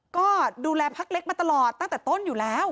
ก็ดูแลพักเล็กมาตลอดตั้งแต่ต้นอยู่แล้ว